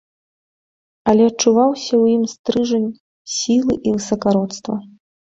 Але адчуваўся ў ім стрыжань сілы і высакародства.